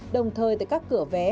đồng thời từ các cửa vé